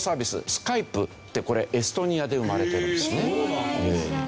Ｓｋｙｐｅってこれエストニアで生まれているんですね。